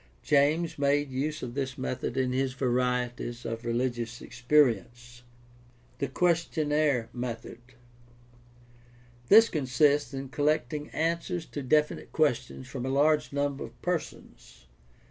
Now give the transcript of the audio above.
James made use of this method in his Varieties of Religious Experience. The questionnaire method. — This consists in collecting answers to definite questions from a large number of persons.